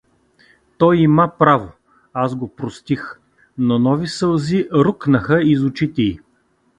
Той има право: аз го простих… Но нови сълзи рукнаха из очите й.